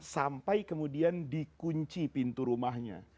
sampai kemudian dikunci pintu rumahnya